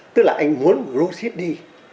tức là anh muốn rút chín đi